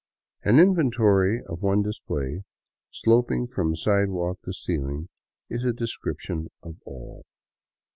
An inventory of one display, sloping from sidewalk to ceiling, is a description of all.